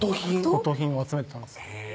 骨董品を集めてたんです